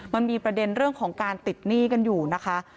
มันมีประเด็นเรื่องของการติดหนี้กันอยู่นะคะ